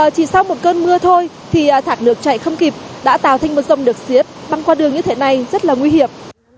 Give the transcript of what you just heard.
chỉ sau một cơn mưa thôi thì thạc lược chạy không kịp đã tạo thành một dông được xiếp băng qua đường như thế này rất là nguy hiểm